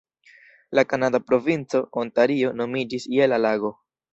La kanada provinco, Ontario, nomiĝis je la lago.